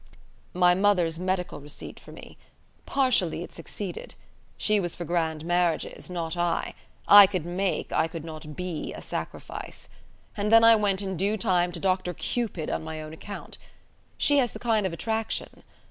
"My mother's medical receipt for me. Partially it succeeded. She was for grand marriages: not I. I could make, I could not be, a sacrifice. And then I went in due time to Dr. Cupid on my own account. She has the kind of attraction.